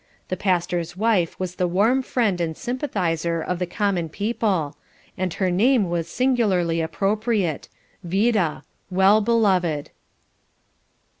The pastor's wife was the warm friend and sympathizer of the common people, and her name was singularly appropriate Vida well beloved.